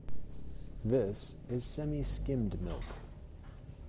This is semi-skimmed milk.